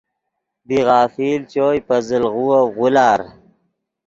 بی غافل چوئے پے زل غووف غولار